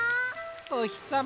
おひさま